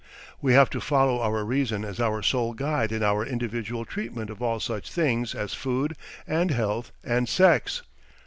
We have to follow our reason as our sole guide in our individual treatment of all such things as food and health and sex.